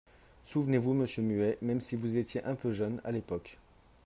Souvenez-vous, monsieur Muet, même si vous étiez un peu jeune, à l’époque.